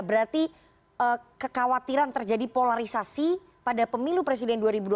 berarti kekhawatiran terjadi polarisasi pada pemilu presiden dua ribu dua puluh